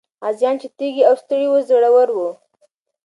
غازيان چې تږي او ستړي وو، زړور وو.